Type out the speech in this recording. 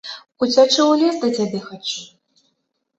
Уцячы ў лес да цябе хачу.